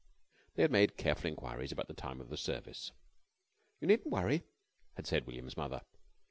They had made careful inquiries about the time of the service. "You needn't worry," had said William's mother.